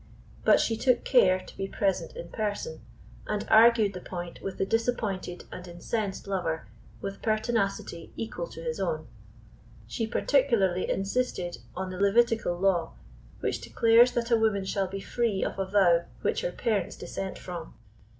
But she took care to be present in person, and argued the point with the disappointed and incensed lover with pertinacity equal to his own. She particularly insisted on the Levitical law, which declares that a woman shall be free of a vow which her parents dissent from.